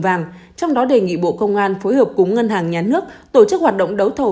vàng trong đó đề nghị bộ công an phối hợp cùng ngân hàng nhà nước tổ chức hoạt động đấu thầu